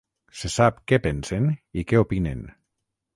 Se sap què pensen i què opinen.